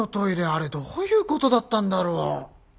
あれどういうことだったんだろう？